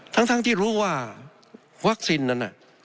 ทั้งที่รู้ว่าวัคซีนนั้น